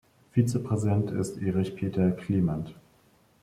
Vizepräsident ist Erich Peter Klement.